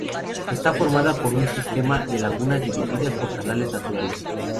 Está formada por un sistema de lagunas divididas por canales naturales.